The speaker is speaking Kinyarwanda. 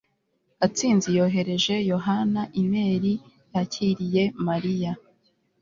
gatsinzi yohereje yohana imeri yakiriye mariya